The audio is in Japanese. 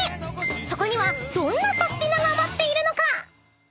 ［そこにはどんなサスティなが待っているのか？］